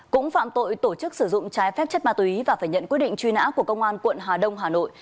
cũng phạm tội tổ chức sử dụng trái phép chất ma túy và phải nhận quyết định truy nã của công an quận hà đông hà nội